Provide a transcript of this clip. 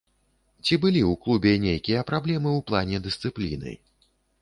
Ці былі ў клубе нейкія праблемы ў плане дысцыпліны?